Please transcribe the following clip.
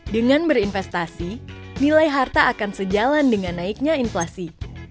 dengan berinvestasi nilai harta akan sejalan dengan naiknya inflasi